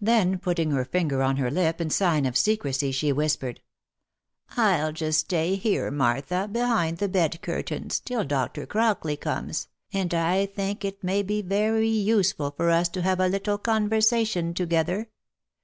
Then putting her finger on her lip, in sign of secrecy, she whispered, " I'll just stay here, Martha, behind the bed curtains, till Dr. Crockley comes, and I think it may be very useful for us to have a little con versation together.